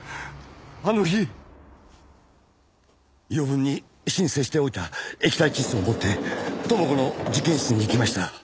あの日余分に申請しておいた液体窒素を持って知子の実験室に行きました。